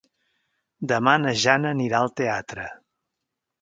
Demà na Jana anirà al teatre.